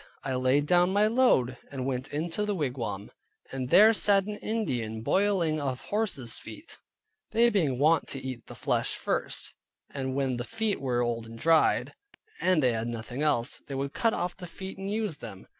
I laid down my load, and went into the wigwam, and there sat an Indian boiling of horses feet (they being wont to eat the flesh first, and when the feet were old and dried, and they had nothing else, they would cut off the feet and use them).